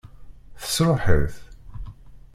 Tesṛuḥ-it?